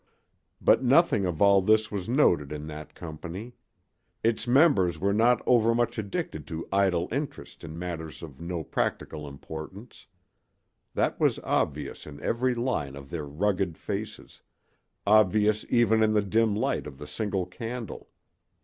But nothing of all this was noted in that company; its members were not overmuch addicted to idle interest in matters of no practical importance; that was obvious in every line of their rugged faces—obvious even in the dim light of the single candle.